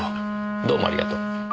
どうもありがとう。